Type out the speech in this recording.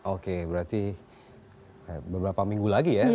oke berarti beberapa minggu lagi ya